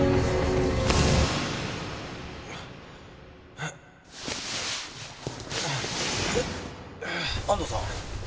うっ安藤さん？